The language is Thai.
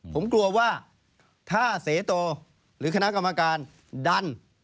ผมกลัวว่าถ้าเสโตหรือคณะกรรมการดัน